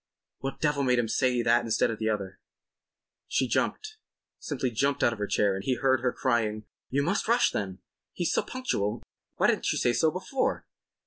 What devil made him say that instead of the other? She jumped—simply jumped out of her chair, and he heard her crying: "You must rush, then. He's so punctual. Why didn't you say so before?"